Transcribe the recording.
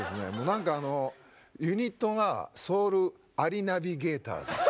なんかユニットがソウルアリナビゲーターズ。